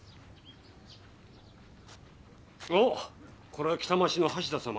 あっこれは北町の橋田様。